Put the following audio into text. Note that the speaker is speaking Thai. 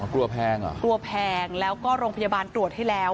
กลัวแพงอ่ะกลัวแพงแล้วก็โรงพยาบาลตรวจให้แล้ว